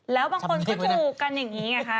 แล้วบางคนก็ถูกกันอย่างนี้ไงคะ